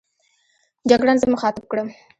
جګړن زه مخاطب کړم.